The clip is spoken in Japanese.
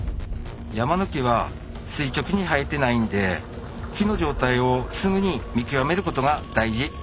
山の木は垂直に生えてないんで木の状態をすぐに見極めることが大事。